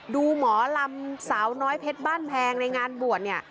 ดูหมอลำสาวน้อยเพชรบ้านแพงในงานบ่วน